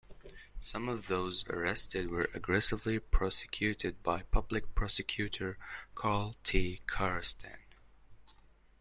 Some of those arrested were aggressively prosecuted by public prosecutor Karl T. Chrastan.